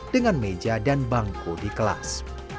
dengan meja dan bangku di kelas